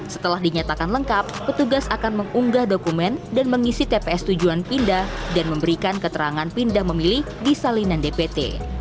setelah dinyatakan lengkap petugas akan mengunggah dokumen dan mengisi tps tujuan pindah dan memberikan keterangan pindah memilih di salinan dpt